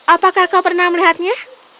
apakah kau pernah melihatnya